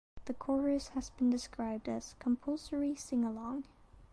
The chorus has been described as "compulsory singalong".